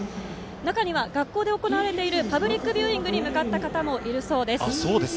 中には学校で行われているパブリックビューイングに向かった方もいるそうです。